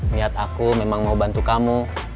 niat aku memang mau bantu kamu